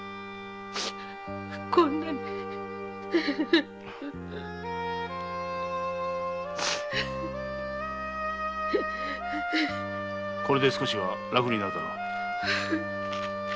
こんなにこれで少しは楽になるだろう。